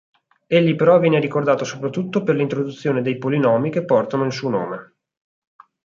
Egli però viene ricordato soprattutto per l'introduzione dei polinomi che portano il suo nome.